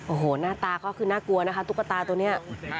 โอ้โหหน้าตาก็คือน่ากลัวนะคะตุ๊กตาตัวนี้